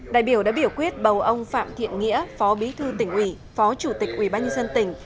đại biểu đã biểu quyết bầu ông phạm thiện nghĩa phó bí thư tỉnh ủy phó chủ tịch ubnd tỉnh